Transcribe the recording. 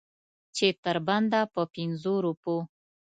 چې تر بنده په پنځو روپو.